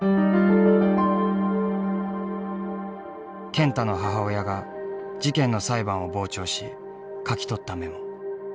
健太の母親が事件の裁判を傍聴し書き取ったメモ。